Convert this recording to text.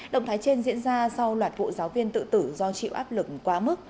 động thái trên diễn ra sau loạt vụ giáo viên tự tử do chịu áp lực quá mức